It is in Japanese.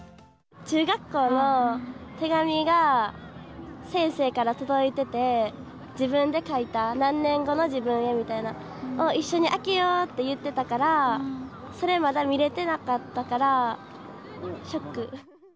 中学校の手紙が先生から届いてて、自分で書いた、何年後の自分へみたいなを、一緒に開けようって言ってたから、それまだ見れてなかったから、ショック。